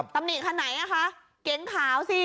ตำหนิคันไหนอ่ะคะเก๋งขาวสิ